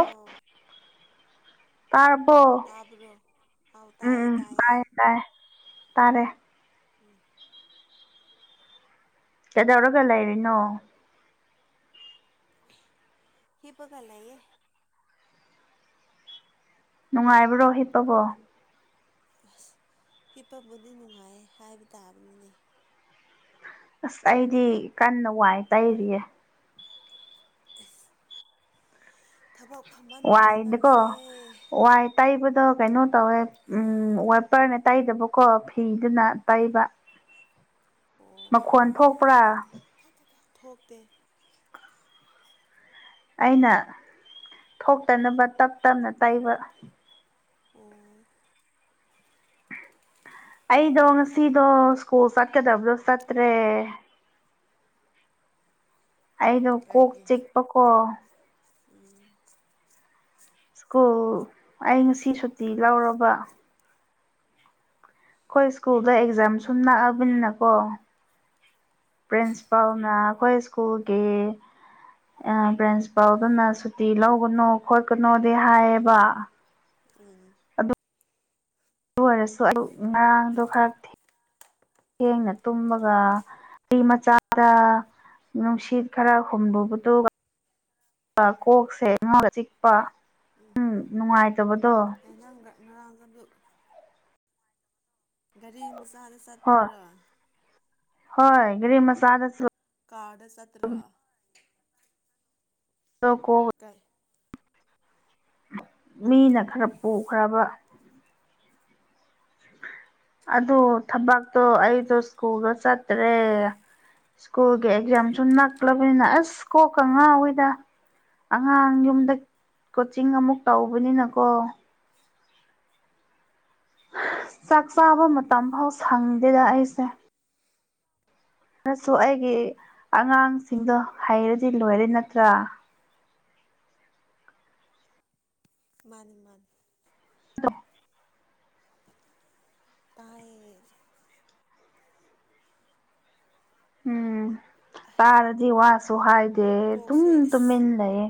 Bro ꯇꯥꯔꯕꯣ ꯇꯥꯕ꯭ꯔꯣ ꯑꯥꯎ ꯎꯝ ꯇꯥꯏꯌꯦ ꯎꯝ ꯇꯥꯏꯌꯦ ꯇꯥꯏ ꯇꯥꯏ ꯇꯥꯔꯦ ꯎꯝ ꯀꯩꯗꯧꯔꯒ ꯂꯩꯔꯤꯅꯣ [inaudible] ꯍꯤꯞꯄꯒ ꯂꯩꯌꯦ ꯅꯨꯡꯉꯥꯏꯕꯥꯔꯣ ꯍꯤꯞꯄꯕꯣ ꯑꯁ ꯍꯤꯞꯄꯕꯨꯗꯤ ꯅꯨꯡꯉꯥꯏꯌꯦ ꯍꯥꯏꯕ ꯇꯥꯕꯅꯤꯅꯦ ꯑꯁ ꯑꯩꯗꯤ ꯀꯟꯅ ꯋꯥꯏ ꯇꯩꯔꯤꯌꯦ ꯏꯁ ꯊꯕꯛ ꯐꯃꯟꯗꯅ ꯋꯥꯏꯗꯤꯀꯣ ꯅꯪꯁꯦ ꯋꯥꯏ ꯇꯩꯕꯗꯣ ꯀꯩꯅꯣ ꯇꯧꯋꯦ ꯎꯝ ꯋꯥꯏꯄꯔꯅ ꯇꯩꯗꯕꯀꯣ ꯐꯤꯗꯨꯅ ꯇꯩꯕ꯫ ꯃꯈꯣꯟ ꯊꯣꯛꯄ꯭ꯔꯥ? ꯊꯊꯊꯥ ꯊꯣꯛꯇꯦ ꯑꯩꯅ ꯊꯣꯛꯇꯅꯕ ꯇꯞ ꯇꯞꯅ ꯇꯩꯕ꯫ ꯑꯣ ꯑꯩꯗꯣ ꯉꯁꯤꯗꯣ ꯁ꯭ꯀꯨꯜ ꯆꯠꯀꯗꯕꯗꯣ ꯆꯠꯇ꯭ꯔꯦ꯫ ꯑꯩꯗꯣ ꯀꯣꯛ ꯀꯥꯏꯒꯤ ꯆꯤꯛꯄꯀꯣ ꯎꯝ ꯁ꯭ꯀꯨꯜ ꯑꯩ ꯉꯁꯤ ꯁꯨꯇꯤ ꯂꯧꯔꯕ꯫ ꯈꯣꯏ ꯁ꯭ꯀꯨꯜꯗ ꯑꯦꯛꯖꯥꯝ ꯁꯨꯝ ꯅꯛꯑꯕꯅꯤꯅꯀꯣ ꯄ꯭ꯔꯤꯟꯁꯤꯄꯥꯜꯅ ꯈꯣꯏ ꯁ꯭ꯀꯨꯜꯒꯤ ꯑ ꯄ꯭ꯔꯤꯟꯁꯄꯥꯜꯗꯨꯅ ꯁꯨꯇꯤ ꯂꯧꯒꯅꯣ ꯈꯣꯠꯀꯅꯣꯗꯤ ꯍꯥꯏꯌꯦꯕ ꯎꯝ ꯑꯗꯨ ꯗꯨ ꯑꯣꯏꯔꯁꯨ ꯑꯗꯨ ꯉꯔꯥꯡꯗꯣ ꯈꯔ ꯊꯦ ꯊꯦꯡꯅ ꯇꯨꯝꯃꯒ [unintelligible] ꯃꯆꯥꯗ ꯅꯨꯡꯁꯤꯠ ꯈꯔ ꯍꯨꯝꯕꯨꯕꯗꯨꯒ ꯀꯣꯛꯁꯦ ꯉꯥꯎ ꯆꯤꯛꯄ ꯎꯝ ꯅꯨꯡꯉꯥꯏꯇꯕꯗꯣ ꯅꯪꯒ ꯉꯔꯥꯡ ꯒꯗꯨ ꯒꯥꯔꯤ ꯃꯆꯥꯗ ꯍꯣꯏ ꯆꯠꯄ꯭ꯔꯥ ꯍꯣꯏ ꯒꯔꯤ ꯃꯁꯥꯗ ꯀꯥꯗ ꯆꯠꯇ꯭ꯔ [unintelligible] ꯀꯥꯏ ꯃꯤꯅ ꯈꯔ ꯄꯨꯈ꯭ꯔꯕ ꯑꯗꯣ ꯊꯕꯛꯇꯣ ꯑꯩꯗꯣ ꯁ꯭ꯀꯨꯜꯒ ꯆꯠꯇ꯭ꯔꯦ ꯁ꯭ꯀꯨꯜꯒꯤ ꯑꯦꯛꯖꯥꯝꯁꯨ ꯅꯛꯂꯕꯅꯤꯅ ꯑꯁ ꯀꯣꯛꯀ ꯉꯥꯎꯋꯦꯗ ꯑꯉꯥꯡ ꯌꯨꯝꯗ ꯀꯣꯆꯤꯡ ꯑꯃꯨꯛ ꯇꯧꯕꯅꯤꯅꯀꯣ ꯆꯥꯛ ꯆꯥꯕ ꯃꯇꯝꯐꯥꯎ ꯁꯪꯗꯦꯗ ꯑꯩꯁꯦ ꯑꯩꯒꯤ ꯑꯉꯥꯡꯁꯤꯡꯗꯣ ꯍꯩꯔꯗꯤ ꯂꯣꯏꯔꯦ ꯅꯠꯇ꯭ꯔꯥ ꯃꯥꯅꯤ ꯃꯥꯅꯤ [inaudible] ꯇꯥꯌꯦ ꯎꯝ ꯇꯥꯔꯗꯤ ꯋꯥꯁꯨ ꯍꯥꯏꯗꯦ ꯇꯨꯝ ꯀꯣꯛꯁꯦ ꯑꯁ ꯇꯨꯝꯃꯤꯟ ꯂꯩꯌꯦ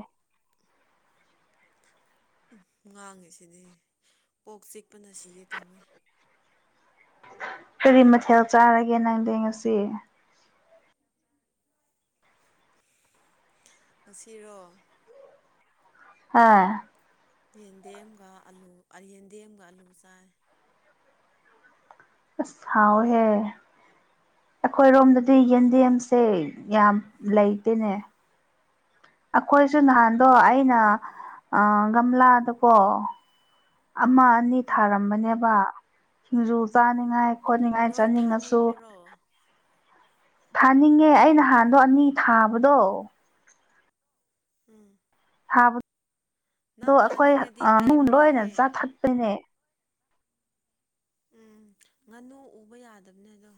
ꯎꯝ ꯉꯥꯡꯉꯤꯁꯤꯗꯤ ꯄꯣꯛ ꯆꯤꯛꯄꯅ ꯁꯤꯒꯦ ꯇꯧꯋꯦ ꯍꯔꯤ ꯃꯊꯦꯜ ꯆꯥꯔꯒꯦ ꯅꯪꯗꯤ ꯉꯁꯤ ꯉꯁꯤꯔꯣ ꯑ ꯌꯦꯟꯗꯦꯝꯒ ꯑꯂꯨ ꯑꯥ ꯌꯦꯟꯗꯦꯝꯒ ꯑꯂꯨ ꯆꯥꯏ ꯑꯁꯍꯥꯎꯋꯦꯍꯦ ꯑꯈꯣꯏꯔꯣꯝꯗꯗꯤ ꯌꯦꯟꯗꯦꯝꯁꯦ ꯌꯥꯝ ꯂꯩꯇꯦꯅꯦ ꯑꯈꯣꯏꯁꯨ ꯅꯍꯥꯟꯗꯣ ꯑꯩꯅ ꯎꯝ ꯑꯥ ꯒꯝꯂꯥꯗꯀꯣ ꯑꯃ ꯑꯅꯤ ꯎꯝ ꯊꯥꯔꯝꯕꯅꯦꯕ ꯁꯤꯡꯖꯨ ꯆꯥꯅꯤꯡꯉꯥꯏ ꯈꯣꯠꯅꯤꯡꯉꯥꯏ ꯅꯣꯏ ꯆꯥꯅꯤꯡꯉꯁꯨ [unintelligible] ꯊꯥꯅꯤꯡꯉꯦ ꯑꯩ ꯅꯍꯥꯟꯗꯣ ꯑꯅꯤ ꯊꯥꯕꯗꯣ ꯎꯝ ꯊꯥꯕꯗꯣ ꯅꯪ ꯑꯩꯈꯣꯏ ꯊꯥꯅꯤꯡꯉꯗꯤ ꯑꯥ ꯑꯩ [unintelligible] ꯂꯣꯏꯅ ꯄꯤꯒꯦ ꯆꯥꯊꯠꯄꯅꯤꯅꯦ ꯎꯝ ꯉꯥꯅꯨ ꯎꯕ ꯌꯥꯗꯕꯅꯦ ꯑꯗꯣ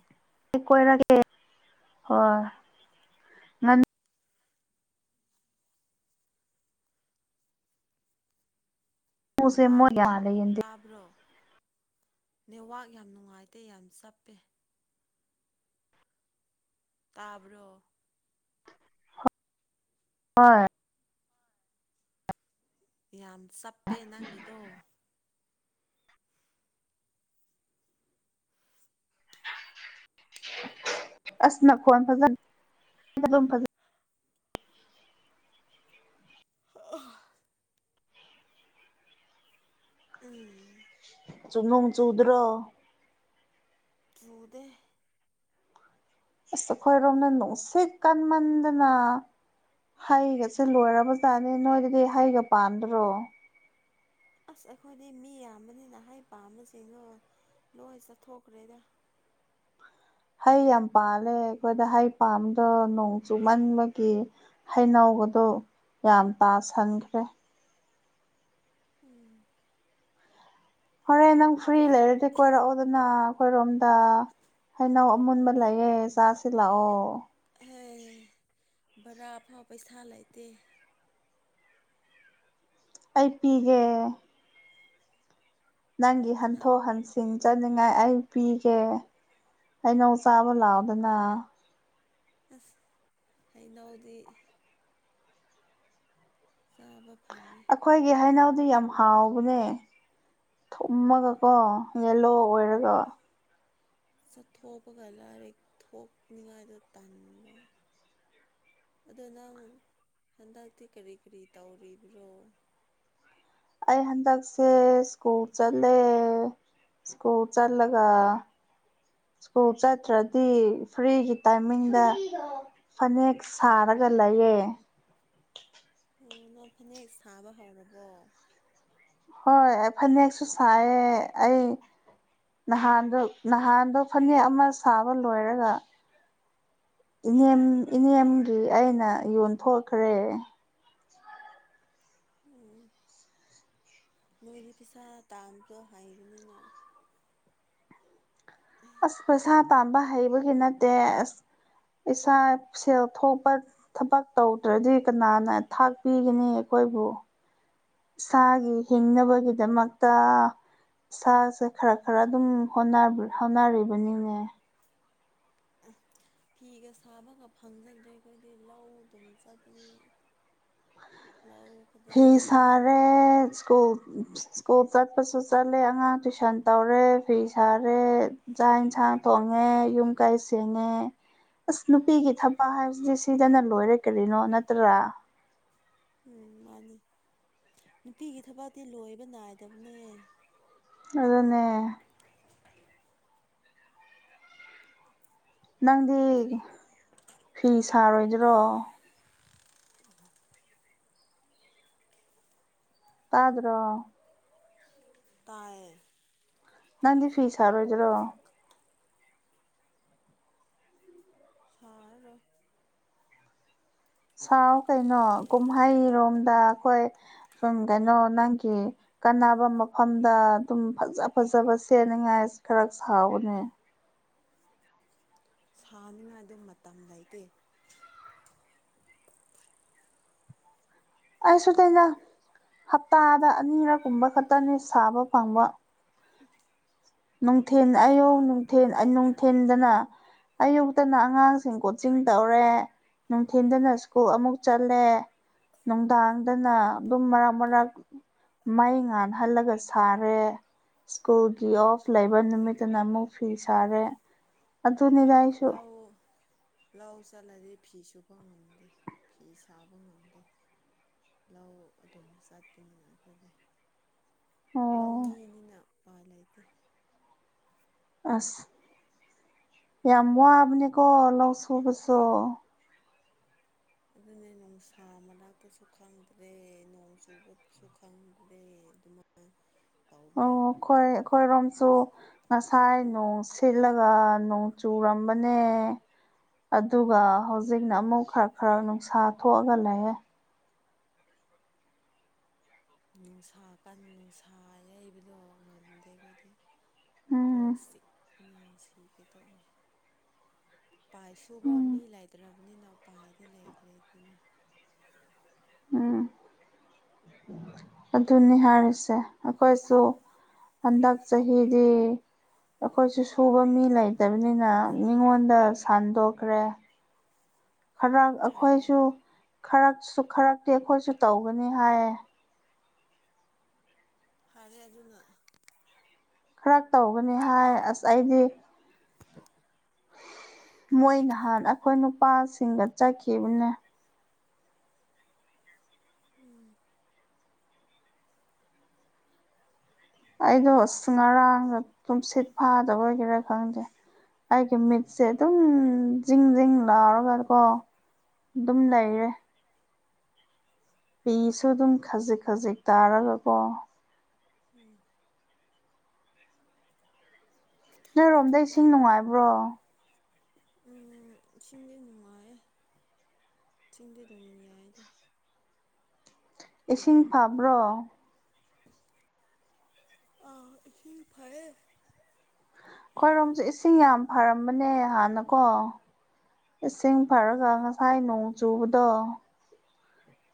ꯑꯩ ꯀꯣꯏꯔꯒꯦ ꯍꯣꯏ ꯉꯥꯅꯨꯁꯦ ꯇꯥ ꯃꯣꯏ ꯌꯥꯜꯂꯦ ꯌꯦꯟꯗꯦ ꯇꯥꯕ꯭ꯔꯣ ꯅꯦꯠꯋꯥꯛ ꯌꯥꯝ ꯅꯨꯡꯉꯥꯏꯇꯦ ꯌꯥꯝ ꯆꯞꯄꯦ ꯇꯥꯕ꯭ꯔꯣ ꯍꯣꯏ ꯌꯥꯝ ꯆꯞꯄꯦ ꯅꯪꯒꯤꯗꯣ ꯑꯁ ꯅꯈꯣꯟ ꯐꯖꯅ ꯑꯗꯨꯝ ꯐꯖ [unintelligible] ꯎꯝ ꯆꯨꯝ ꯅꯣꯡ ꯆꯨꯗ꯭ꯔꯣ ꯆꯨꯗꯦ ꯑꯁ ꯑꯩꯈꯣꯏꯔꯣꯝꯅ ꯅꯨꯡꯁꯤꯠ ꯀꯟꯃꯟꯗꯅ ꯍꯩꯒꯁꯦ ꯂꯣꯏꯔꯕꯖꯥꯠꯅꯤ ꯅꯣꯏꯗꯗꯤ ꯍꯩꯒ ꯄꯥꯟꯗ꯭ꯔꯣ ꯑꯁ ꯑꯩꯈꯣꯏꯗꯤ ꯃꯤ ꯌꯥꯝꯕꯅꯤꯅ ꯍꯩ ꯄꯥꯝꯕꯁꯤꯡꯗꯣ ꯂꯣꯏ ꯆꯠꯊꯣꯛꯈ꯭ꯔꯦꯗ ꯍꯩ ꯌꯥꯝ ꯄꯥꯜꯂꯦ ꯑꯩꯈꯣꯏꯗ ꯍꯩ ꯄꯥꯝꯕ꯭ꯔꯣ ꯅꯣꯡ ꯆꯨꯃꯟꯕꯒꯤ ꯍꯩꯅꯧꯒꯗꯣ ꯌꯥꯝ ꯇꯥꯁꯤꯟꯈ꯭ꯔꯦ ꯎꯝ ꯍꯣꯔꯦꯟ ꯅꯪ ꯐ꯭ꯔꯤ ꯂꯩꯔꯗꯤ ꯀꯣꯏꯔꯛꯑꯣꯗꯅ ꯑꯩꯈꯣꯏꯔꯣꯝꯗ ꯍꯩꯅꯧ ꯑꯃꯨꯟꯕ ꯂꯩꯌꯦ ꯆꯥꯁꯤ ꯂꯥꯛꯑꯣ ꯍꯩ ꯚꯥꯔꯥ ꯐꯥꯎ ꯄꯩꯁꯥ ꯂꯩꯇꯦ ꯑꯩ ꯄꯤꯒꯦ ꯅꯪꯒꯤ ꯅꯪ ꯍꯟꯊꯣꯛ ꯍꯟꯁ ꯆꯤꯡ ꯆꯠꯅꯤꯡꯉꯥꯏ ꯑꯩ ꯄꯤꯒꯦ ꯍꯩꯅꯧ ꯆꯥꯕ ꯂꯥꯎꯗꯅ ꯑꯁ ꯍꯩꯅꯧꯗꯤ ꯆꯥꯕ ꯐꯪꯉꯦ ꯑꯩꯈꯣꯏꯒꯤ ꯍꯩꯅꯧꯗꯤ ꯌꯥꯝ ꯍꯥꯎꯕꯅꯦ ꯊꯨꯝꯃꯒꯀꯣ ꯌꯦꯜꯂꯣ ꯑꯣꯏꯔꯒ ꯆꯠꯊꯣꯛꯄꯒ ꯂꯥꯏꯔꯤꯛ ꯊꯣꯛꯅꯤꯉꯥꯏꯗꯣ ꯇꯟꯕ ꯑꯗꯣ ꯅꯪ ꯍꯟꯗꯛꯇꯤ ꯀꯔꯤ ꯀꯔꯤ ꯇꯧꯔꯤꯕ꯭ꯔꯣ ꯑꯩ ꯍꯟꯗꯛꯁꯦ ꯁ꯭ꯀꯨꯜ ꯆꯠꯂꯦ ꯁ꯭ꯀꯨꯜ ꯆꯜꯂꯒ ꯁ꯭ꯀꯨꯜ ꯆꯠꯇ꯭ꯔꯗꯤ ꯐ꯭ꯔꯤꯒꯤ ꯇꯥꯏꯃꯤꯡꯗ ꯐꯅꯦꯛ ꯁꯥꯔꯒ ꯂꯩꯌꯦ ꯎꯝ ꯅꯪ ꯐꯅꯦꯛ ꯁꯥꯕ ꯍꯧꯔꯕꯣ ꯍꯣꯏ ꯑꯩ ꯐꯅꯦꯛꯁꯨ ꯁꯥꯏꯌꯦ ꯑꯩ ꯅꯍꯥꯟꯗꯣ ꯅꯍꯥꯟꯗꯣ ꯐꯅꯦꯛ ꯑꯃ ꯁꯥꯕ ꯂꯣꯏꯔꯒ ꯏꯅꯦꯝ ꯏꯅꯦꯝꯒꯤ ꯑꯩꯅ ꯌꯣꯟꯊꯣꯛꯈ꯭ꯔꯦ ꯎꯝ ꯅꯣꯏꯗꯤ ꯄꯩꯁꯥ ꯇꯥꯟꯕꯗꯣ ꯍꯩꯕꯅꯤꯅ ꯑꯁ ꯄꯩꯁꯥ ꯇꯥꯟꯕ ꯍꯩꯕꯒꯤ ꯅꯠꯇꯦ ꯑꯁ ꯏꯁꯥ ꯁꯦꯜ ꯊꯣꯛꯄ ꯊꯕꯛ ꯇꯧꯗ꯭ꯔꯗꯤ ꯀꯅꯥꯅ ꯊꯥꯛꯄꯤꯒꯅꯤ ꯑꯩꯈꯣꯏꯕꯨ ꯏꯁꯥꯒꯤ ꯍꯤꯡꯅꯕꯒꯤꯗꯃꯛꯇ ꯏꯁꯥꯁꯦ ꯈ꯭ꯔ ꯈ꯭ꯔ ꯑꯗꯨꯝ ꯍꯣꯠꯅꯕ ꯍꯣꯠꯅꯔꯤꯕꯅꯤꯅꯦ [unintelligible] ꯐꯤꯒ ꯁꯥꯕꯒ ꯐꯪꯖꯗ꯭ꯔꯦ ꯑꯈꯣꯏꯗꯤ ꯂꯧ ꯑꯗꯨꯝ ꯆꯠꯄꯅꯤꯅ ꯂꯧ ꯐꯤ ꯁꯔꯦ ꯁ꯭ꯀꯨꯜ ꯁ꯭ꯀꯨꯜ ꯆꯠꯄꯁꯨ ꯆꯠꯂꯦ ꯑꯉꯥꯡ ꯇꯨꯏꯁꯟ ꯇꯧꯔꯦ ꯐꯤ ꯁꯥꯔꯦ ꯆꯥꯛ ꯢꯟꯁꯥꯡ ꯊꯣꯡꯉꯦ ꯌꯨꯝ ꯀꯩ ꯁꯦꯡꯉꯦ ꯑꯁ ꯅꯨꯄꯤꯒꯤ ꯊꯕꯛ ꯍꯥꯏꯕꯁꯤꯗꯤ ꯁꯤꯗꯅ ꯂꯣꯏꯔꯦ ꯀꯔꯤꯅꯣ ꯅꯠꯇ꯭ꯔꯥ ꯎꯝ ꯃꯥꯅꯤ ꯅꯨꯄꯤꯒꯤ ꯊꯕꯛꯇꯤ ꯂꯣꯏꯕ ꯅꯥꯏꯗꯕꯅꯦ ꯑꯗꯨꯅꯦ ꯅꯪꯗꯤ ꯐꯤ ꯁꯥꯔꯣꯏꯗ꯭ꯔꯣ [unintelligible] ꯇꯥꯗ꯭ꯔꯣ ꯇꯥꯏꯌꯦ ꯅꯪꯗꯤ ꯐꯤ ꯁꯥꯔꯣꯏꯗꯔꯣ ꯁꯥꯔꯔꯣꯏ ꯁꯥꯥꯎ ꯀꯩꯅꯣ ꯀꯨꯝꯍꯩꯔꯣꯝꯗ ꯑꯈꯣꯏ ꯁꯨꯝ ꯀꯩꯅꯣ ꯅꯪꯒꯤ ꯀꯥꯟꯅꯕ ꯃꯐꯝꯗ ꯑꯗꯨꯝ ꯐꯖ ꯐꯖꯕ ꯁꯦꯠꯅꯤꯉꯥꯏ ꯈꯔ ꯁꯥꯎꯑꯣꯅꯦ ꯁꯥꯅꯤꯉꯥꯏꯗꯨ ꯃꯇꯝ ꯂꯩꯇꯦ ꯑꯩꯁꯨꯗꯩꯅ ꯍꯞꯇꯥꯗ ꯑꯅꯤꯔꯛ ꯀꯨꯝꯕ ꯈꯠꯇꯅꯤ ꯁꯥꯕ ꯐꯪꯕ ꯅꯨꯡꯊꯤꯟ ꯑꯌꯨꯛ ꯁꯥꯕ ꯅꯨꯡꯊꯤꯟ ꯐꯪꯉꯤ [unintelligible] ꯅꯨꯡꯊꯤꯟꯗꯅ ꯑꯌꯨꯛꯇꯅ ꯑꯉꯥꯡꯁꯤꯡ ꯀꯣꯆꯤꯡ ꯇꯧꯔꯦ ꯅꯨꯡꯊꯤꯟꯗꯅ ꯁ꯭ꯀꯨꯜ ꯑꯃꯨꯛ ꯆꯠꯂꯦ ꯅꯨꯡꯗꯥꯡꯗꯅ ꯑꯗꯨꯝ ꯃꯔꯛ ꯃꯔꯛ ꯃꯩ ꯉꯥꯜꯍꯜꯂꯒ ꯁꯥꯔꯦ ꯁ꯭ꯀꯨꯜꯒꯤ ꯑꯣꯐ ꯂꯩꯕ ꯅꯨꯃꯤꯠꯇꯨꯅ ꯑꯃꯨꯛ ꯐꯤ ꯁꯥꯔꯦ ꯑꯗꯨꯅꯤꯗ ꯑꯩ ꯂꯧ ꯂꯧ ꯆꯠꯂꯗꯤ ꯐꯤ ꯁꯨꯕ ꯉꯝꯗꯦ ꯐꯤ ꯁꯥꯕ ꯉꯝꯗꯦ ꯂꯧ ꯑꯗꯨꯝ ꯆꯠꯄꯅꯤꯅ ꯑꯈꯣꯏꯗꯤ ꯑꯣ ꯂꯧꯃꯤꯅꯤꯅ ꯎꯄꯥꯏ ꯂꯩꯇꯦ ꯑꯁ ꯌꯥꯝ ꯋꯥꯕꯅꯤꯀꯣ ꯂꯧ ꯁꯨꯕꯁꯨ ꯑꯗꯨꯅꯦ ꯅꯨꯡꯁꯥ ꯃꯔꯛꯇꯁꯨ ꯈꯪꯗ꯭ꯔꯦ ꯅꯣꯡ ꯆꯨꯕꯗꯁꯨ ꯈꯪꯗꯦ ꯗꯦ ꯑꯗꯨꯃꯥꯏ ꯑꯣ ꯈꯣꯏ ꯑꯈꯣꯏꯔꯣꯝꯁꯨ ꯉꯁꯥꯏ ꯅꯣꯡ ꯁꯤꯠꯂꯒ ꯅꯣꯡ ꯆꯨꯔꯝꯕꯅꯦ ꯑꯗꯨꯒ ꯍꯧꯖꯤꯛꯅ ꯑꯃꯨꯛ ꯈ꯭ꯔ ꯈ꯭ꯔ ꯅꯨꯡꯁꯥ ꯊꯣꯛꯑꯒ ꯂꯩꯌꯦ ꯅꯨꯡꯁꯥ ꯀꯟ ꯅꯨꯡꯁꯥ ꯌꯩꯕꯗꯣ ꯉꯝꯗꯦ ꯑꯈꯣꯢꯗꯤ ꯎꯝ ꯀꯣꯛ ꯆꯤꯛꯛꯄꯅ ꯁꯤꯒ‌ꯦ ꯇꯧꯋꯦ ꯄꯥꯏ ꯁꯨꯕ ꯎꯝ ꯃꯤ ꯂꯩꯇ꯭ꯔꯕꯅꯤꯅ ꯎꯄꯥꯏꯗꯤ ꯂꯩꯇꯔꯦ ꯗꯅ ꯎꯝ ꯑꯗꯨꯅꯤ ꯍꯥꯏꯔꯤꯁꯦ ꯑꯈꯣꯏꯁꯨ ꯍꯟꯗꯛ ꯆꯍꯤꯗꯤ ꯑꯈꯣꯏꯁꯨ ꯁꯨꯕ ꯃꯤ ꯂꯩꯇꯕꯅꯤꯅ ꯃꯤꯉꯣꯟꯗ ꯁꯥꯟꯗꯣꯛꯈ꯭ꯔꯦ ꯈꯔ ꯐꯔꯦ ꯑꯈꯣꯏꯁꯨ ꯈꯔ ꯈꯔꯛꯇꯤ ꯑꯩꯈꯣꯏꯁꯨ ꯇꯧꯒꯅꯤ ꯍꯥꯏꯌꯦ ꯐꯔꯦ ꯑꯗꯨꯅ ꯈꯔ ꯇꯧꯒꯅꯤ ꯍꯥꯏ ꯑꯁ ꯑꯩꯗꯤ ꯃꯣꯏ ꯅꯍꯥꯟ ꯑꯈꯣꯏ ꯅꯨꯄꯥꯁꯤꯡꯒ ꯆꯠꯈꯤꯕꯅꯦ ꯎꯝ ꯑꯩꯗꯣ ꯉꯔꯥꯡꯒ ꯇꯨꯝꯁꯤꯠ ꯐꯥꯗꯕꯒꯤꯔꯥ ꯈꯪꯗꯦ ꯑꯩꯒꯤ ꯃꯤꯠꯁꯦ ꯑꯗꯨꯝ ꯖꯤꯡ ꯖꯤꯡ ꯂꯥꯎꯔꯒꯀꯣ ꯑꯗꯨꯝ ꯎꯝ ꯂꯩꯔꯦ ꯄꯤꯁꯨ ꯑꯗꯨꯝ ꯈꯖꯤꯛ ꯈꯖꯤꯛ ꯇꯥꯔꯒꯀꯣ ꯎꯝ ꯅꯣꯏꯔꯣꯝꯗ ꯏꯁꯤꯡ ꯅꯨꯡꯉꯥꯏꯕ꯭ꯔꯣ ꯎꯝ ꯏꯁꯤꯡꯗꯤ ꯅꯨꯡꯉꯥꯏ ꯏꯁꯤꯡꯗꯤ ꯑꯗꯨꯝ ꯌꯥꯏꯗꯥ ꯏꯁꯤꯡ ꯐꯕ꯭ꯔꯣ ꯑꯧ ꯏꯁꯤꯡ ꯐꯩꯌ‌ꯦ ꯈꯣꯏꯔꯣꯝꯖꯨ ꯏꯁꯤꯡ ꯌꯥꯝ ꯐꯔꯝꯕꯅꯦ ꯍꯥꯟꯅꯀꯣ ꯏꯁꯤꯡ ꯐꯔꯒ ꯎꯝ ꯉꯁꯥꯏ ꯅꯣꯡ ꯆꯨꯕꯗꯣ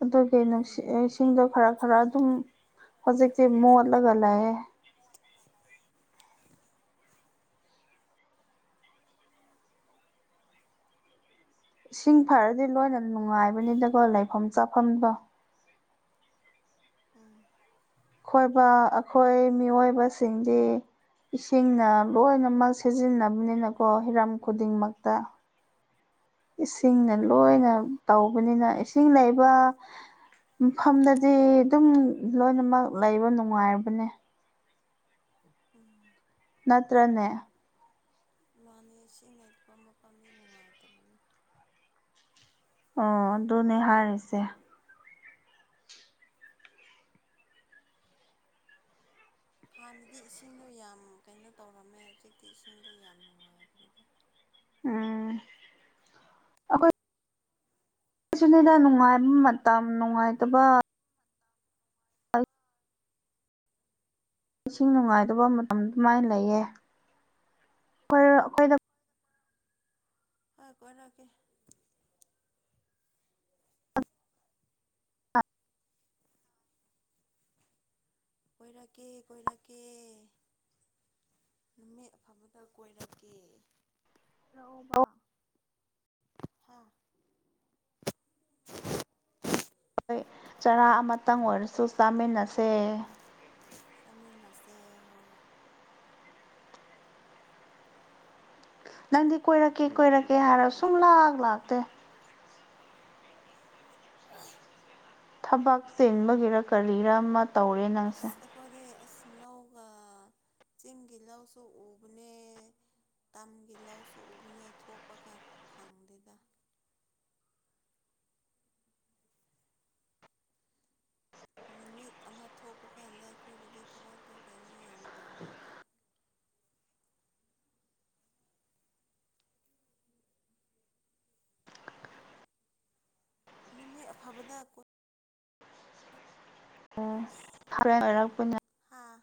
ꯑꯗꯨꯒꯤ ꯎꯝ ꯅꯨꯡꯁꯤꯠ ꯏꯁꯤꯡꯗꯣ ꯈꯔ ꯈꯔ ꯑꯗꯨꯝ ꯍꯧꯖꯤꯛꯇꯤ ꯃ‌ꯣꯠꯂꯒ ꯂꯩꯌ‌ꯦ ꯏꯁꯤꯡ ꯐꯔꯗꯤ ꯅꫭꯏꯅ ꯅꯨꯡꯉꯥꯏꯕꯅꯤꯗꯀꯣ ꯂꯩꯐꯝ ꯆꯥꯐꯝꯗꯣ ꯎꯝ ꯈꯣꯏꯕ ꯑꯩꯈꯣꯏ ꯃꯤꯑꯣꯏꯕꯁꯤꯡꯗꯤ ꯏꯁꯤꯡꯅ ꯂꯣꯏꯅꯃꯛ ꯁꯤꯖꯤꯟꯅꯕꯅꯤꯅꯀꯣ ꯍꯤꯔꯝ ꯈꯨꯗꯤꯡꯃꯛꯇ ꯏꯁꯤꯡꯅ ꯂꯣꯏꯅ ꯇꯧꯕꯅꯤꯅ ꯏꯁꯤꯡ ꯂꯩꯕ ꯃꯐꯝꯗꯗꯤ ꯑꯗꯨꯝ ꯂꯣꯏꯅꯃꯛ ꯂꯩꯕ ꯅꯨꯡꯉꯥꯏꯔꯕꯅꯦ ꯎꯝ ꯅꯠꯇ꯭ꯔꯅꯦ ꯃꯥꯟꯅꯤ ꯁꯤꯅ° ꯃꯐꯝ ꯃꯐꯝꯒꯤ ꯅꯨꯡꯉꯥꯏꯕꯥ ꯑꯣ ꯑꯗꯨꯅꯦ ꯍꯥꯏꯔꯤꯁꯦ ꯍꯥꯟꯅꯗꯤ ꯏꯁꯤꯡꯗꯣ ꯌꯥꯝ ꯀꯩꯅꯣ ꯇꯧꯔꯝꯃꯦ ꯍꯧꯖꯤꯛꯇꯤ ꯏꯁꯤꯡꯗꯣ ꯌꯥꯝ ꯅꯨꯡꯉꯥꯏꯈ꯭ꯔꯦꯗ ꯎꯝ ꯑꯥꯁꯤꯅꯗꯥ ꯅꯨꯡꯉꯥꯏꯕ ꯃꯇꯝ ꯅꯨꯡꯉꯥꯏꯇꯕ ꯏꯁꯤꯡ ꯅꯨꯡꯉꯥꯏꯇꯕ ꯃꯇꯝ ꯁꯨꯃꯥꯏꯅ ꯂꯩꯌꯦ ꯀ‌ꯣꯏꯔ‌ꯣ ꯑꯩꯈꯣꯏꯗ ꯍꯣꯏ ꯀꯣꯏꯔꯛꯀ‌ꯦ ꯀꯣꯏꯔꯛꯀꯦ ꯀꯣꯏꯔꯛꯀꯦ ꯅꯨꯃꯤꯠ ꯑꯐꯕꯗ ꯀꯣꯏꯔꯛꯀꯦ ꯂꯥꯛꯑꯣꯕ [inaudible] [unintelligible] ꯑꯩꯈꯣꯏ ꯆꯔꯥ ꯑꯃꯇꯪ ꯑꯣꯏꯔꯁꯨ ꯆꯥꯃꯤꯟꯅꯁꯦ ꯆꯠꯃꯤꯟꯅꯁꯦ ꯍꯣꯏ ꯅꯪꯗꯤ ꯀꯣꯏꯔꯛꯀꯦ ꯀꯣꯏꯔꯛꯀꯦ ꯍꯥꯏꯔꯒ ꯁꯨꯡ ꯂꯥꯛ ꯂꯥꯛꯇꯦ [inaudible] [inaudible] ꯊꯕꯛ ꯆꯦꯟꯕꯒꯤꯔ ꯀꯔꯤꯔꯥ ꯑꯃ ꯇꯧꯔꯦ ꯅꯪꯁꯦ ꯑꯁ ꯑꯈꯣꯏꯗꯤ ꯑꯁ ꯂꯧꯒ ꯆꯤꯡꯒꯤ ꯂꯧꯁꯨ ꯎꯕꯅꯦ ꯇꯝꯒꯤ ꯂꯧꯁꯨ ꯎꯕꯅꯦ ꯊꯣꯛꯄꯒ ꯐꯪꯗꯦꯗꯥ ꯅꯨꯃꯤꯠ ꯑꯃ ꯊꯣꯛꯄ ꯀꯥꯟꯗ ꯑꯩꯈꯣꯏꯒꯤꯗꯤ ꯊꯕꯛꯇꯣ ꯀꯩꯅꯣ ꯌꯥꯝ ꯇꯧꯑꯦꯕ ꯅꯨꯃꯤꯠ ꯑꯐꯕꯗ [inaudible] ꯍꯔꯦꯟ ꯑꯣꯏꯔꯛꯄꯅꯦ ꯍꯥꯥ